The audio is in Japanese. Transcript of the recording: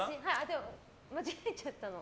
でも、間違えちゃったの。